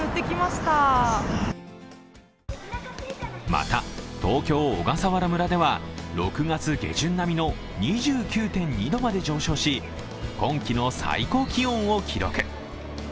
また東京・小笠原村では６月下旬並みの２９．２度まで上昇し、今季の最高気温を記録。